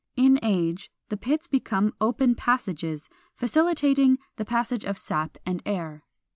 In age the pits become open passages, facilitating the passage of sap and air.